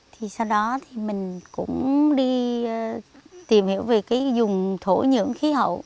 thì sau đó mình cũng đi tìm hiểu về vùng thổ nhưỡng khí hậu